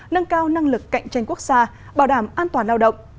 nâng cao năng lực cạnh tranh quốc gia bảo đảm an toàn lao động